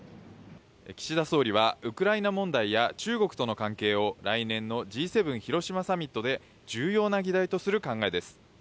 岸田総理はウクライナ問題や中国との関係を来年のＧ７広島サミットで、重要な議題とする考えです。